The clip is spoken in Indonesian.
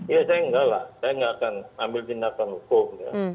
ya saya enggak lah saya nggak akan ambil tindakan hukum ya